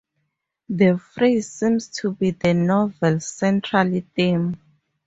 The phrase seems to be the novel's central theme.